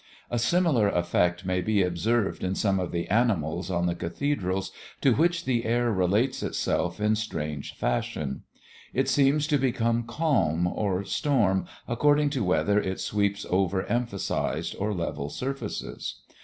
A similar effect may be observed in some of the animals on the cathedrals to which the air relates itself in strange fashion; it seems to become calm or storm according to whether it sweeps over emphasized or level surfaces.